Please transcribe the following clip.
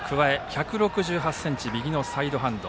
１６８ｃｍ、右のサイドハンド。